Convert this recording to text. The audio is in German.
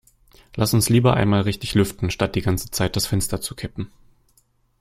Lass uns lieber einmal richtig lüften, statt die ganze Zeit das Fenster zu kippen!